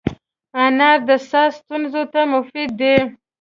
انار د ساه ستونزو ته مفید دی.